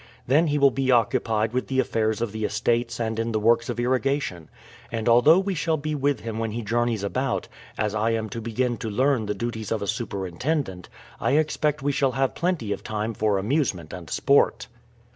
Then he will be occupied with the affairs of the estates and in the works of irrigation; and although we shall be with him when he journeys about, as I am to begin to learn the duties of a superintendent, I expect we shall have plenty of time for amusement and sport."